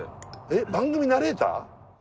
えっ番組ナレーター？